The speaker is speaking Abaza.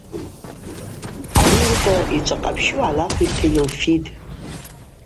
Ауи рыцӏа йчӏвакъапщу гӏалахвитӏта йылфитӏ.